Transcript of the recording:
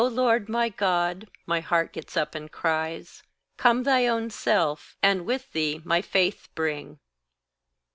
"O Lord, my God," my heart gets up and cries, "Come thy own self, and with thee my faith bring."